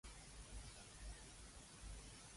脆皮烤乳豬